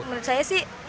menurut saya sih